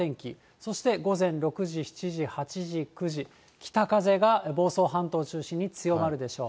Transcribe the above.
そして午前６時、７時、８時、９時、北風が房総半島中心に強まるでしょう。